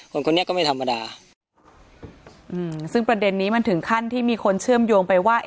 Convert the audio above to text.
คนคนนี้ก็ไม่ธรรมดาอืมซึ่งประเด็นนี้มันถึงขั้นที่มีคนเชื่อมโยงไปว่า